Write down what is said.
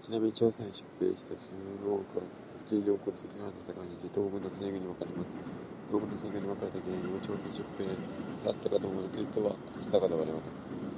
ちなみに、朝鮮へ出兵した武将の多くはのちに起こる関ヶ原の戦いにて東軍と西軍に分かれます。東軍と西軍に分かれた原因にが朝鮮出兵であったかどうかについては定かではありません。